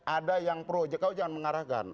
ada yang projek kau jangan mengarahkan